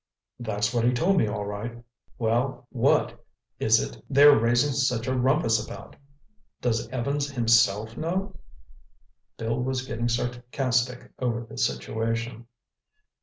"That's what he told me, all right." "Well, what is it that they're raising such a rumpus about? Does Evans himself know?" Bill was getting sarcastic over the situation.